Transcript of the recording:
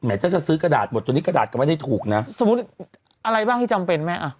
อะไรบ้างที่จำเป็นแม่อ่ะ